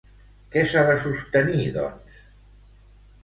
Què s'ha de sostenir, doncs?